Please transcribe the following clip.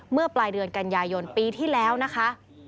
เมื่อปลายเดือนกันยายนปีที่แล้วนะคะ